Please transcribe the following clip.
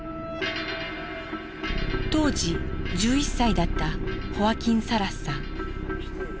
当時１１歳だったホワキン・サラスさん。